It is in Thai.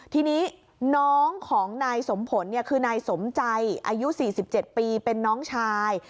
ทีนี้น้องของนายสมผลคือนายสมใจอายุ๔๗ปีเป็นน้องชาย